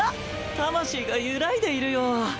魂が揺らいでいるよ。